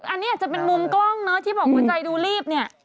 อันนี้อาจจะเป็นมุมกล้องเนอะที่บอกหัวใจดูรีบเนี่ย